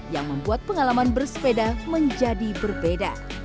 yang membuat pengalaman bersepeda menjadi berbeda